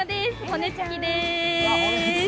骨付きでーす。